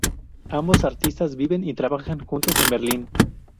Ambos artistas viven y trabajan juntos en Berlín.